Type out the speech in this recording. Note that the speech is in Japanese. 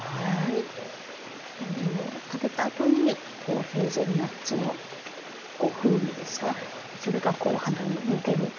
本当に食べたあとにヘーゼルナッツの風味ですかそれが鼻に抜ける。